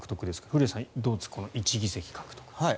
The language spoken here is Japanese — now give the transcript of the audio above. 古谷さん、どうですか１議席獲得。